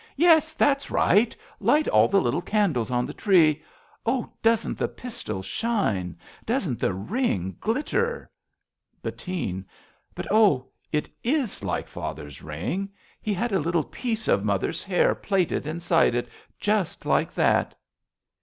Yes, that's right ! Light all the little candles on the tree ! Oh, doesn't the pistol shine, doesn't the ring Glitter ! Bettine. But oh, it is like father's ring. He had a little piece of mother's hair Plaited inside it, just like that.